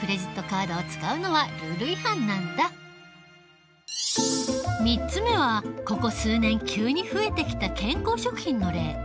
そもそも３つ目はここ数年急に増えてきた健康食品の例。